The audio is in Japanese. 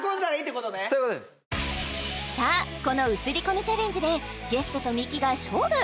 この写り込みチャレンジでゲストとミキが勝負！